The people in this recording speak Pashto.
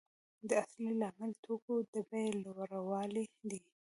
دا اصلي لامل د توکو د بیې لوړوالی دی